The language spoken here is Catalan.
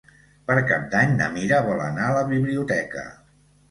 Per Cap d'Any na Mira vol anar a la biblioteca.